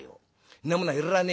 『んなものはいらねえ。